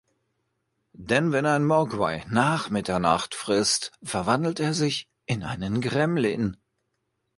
Denn wenn ein Mogwai nach Mitternacht frisst, verwandelt er sich in einen Gremlin.